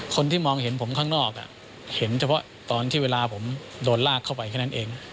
คนที่มองเห็นผมข้างนอกเห็นเฉพาะตอนที่เวลาผมโดนลากเข้าไปแค่นั้นเอง